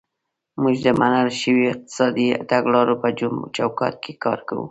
موږ د منل شویو اقتصادي تګلارو په چوکاټ کې کار کوو.